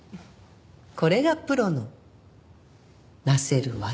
これがプロの成せる業。